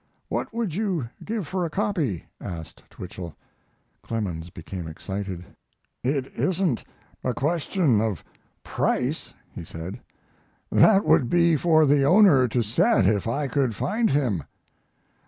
"What would you give for a copy?" asked. Twichell. Clemens became excited. "It isn't a question of price," he said; "that would be for the owner to set if I could find him."